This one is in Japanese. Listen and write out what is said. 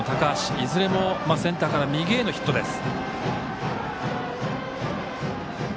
いずれも、センターから右へのヒットです。